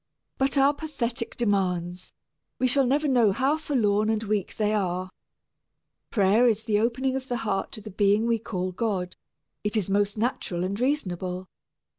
But our pathetic demands we shall never know how forlorn and weak they are. Prayer is the opening of the heart to the being we call God it is most natural and reasonable.